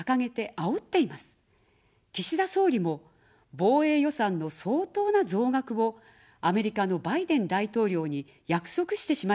岸田総理も防衛予算の相当な増額をアメリカのバイデン大統領に約束してしまいました。